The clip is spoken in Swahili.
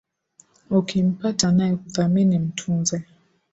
Ukimpata anayekuthamini, mtunze.